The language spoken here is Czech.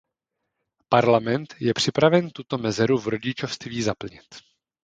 Parlament je připraven tuto mezeru v rodičovství zaplnit.